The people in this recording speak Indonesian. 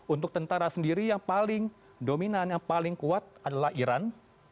untuk tentara sendiri yang paling dominan yang paling kuat adalah iran